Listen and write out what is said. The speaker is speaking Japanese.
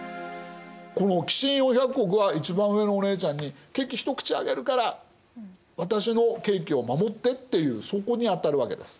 この寄進４００石は一番上のお姉ちゃんに「ケーキ一口あげるから私のケーキを守って」っていうそこに当たるわけです。